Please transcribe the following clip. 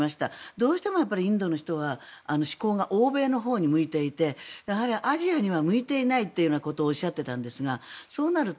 どうしてもインドの人は志向が欧米のほうに向いていてアジアには向いていないというようなことをおっしゃっていたんですがそうなると